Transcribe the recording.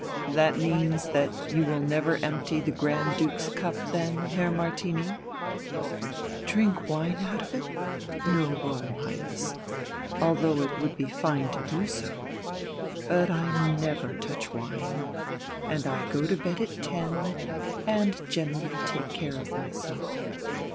"That means that you will never empty the Grand Duke's cup, then, Herr Martini?" "Drink wine out of it? No, Royal Highness. Although it would be fine to do so. But I never touch wine. And I go to bed at ten, and generally take care of myself.